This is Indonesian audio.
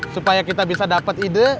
supaya kita bisa dapat ide